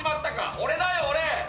俺だよ、俺。